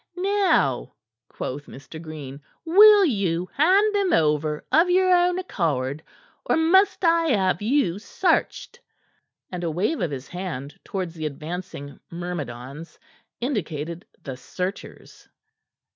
"Now," quoth Mr. Green, "will you hand them over of your own accord, or must I have you searched?" And a wave of the hand towards the advancing myrmidons indicated the searchers.